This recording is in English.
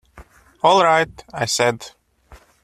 “All right,” I said.